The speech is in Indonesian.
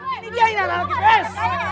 ini dia hina anak kipes